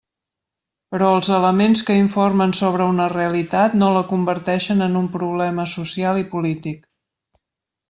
Però els elements que informen sobre una realitat no la converteixen en un problema social i polític.